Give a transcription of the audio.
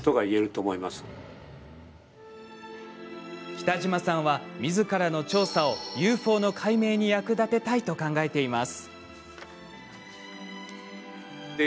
北島さんは、みずからの調査をＵＦＯの解明に役立てたいと考えています。